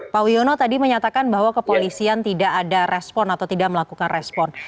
pak wiono tadi menyatakan bahwa kepolisian tidak ada respon atau tidak melakukan respon